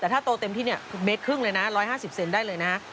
แต่ถ้าโตเต็มที่เนี่ยเมตรครึ่งเลยนะ๑๕๐เซนได้เลยนะ